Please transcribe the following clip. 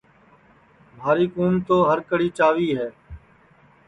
مھاری کُُوم تو ہر کڑھی چاوی ہے